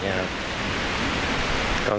แฟนนิกส์